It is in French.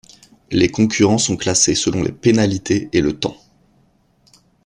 Les concurrents sont classés selon les pénalités et le temps.